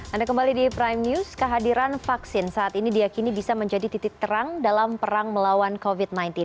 anda kembali di prime news kehadiran vaksin saat ini diakini bisa menjadi titik terang dalam perang melawan covid sembilan belas